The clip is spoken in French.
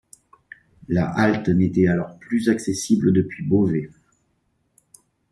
La halte n'était alors plus accessible depuis Beauvais.